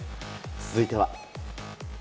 続いては。